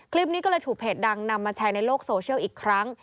คลิปนี้ก็เลยถูกเพจดังนำมาแชร์ในโลกโซเชียลอีกครั้ง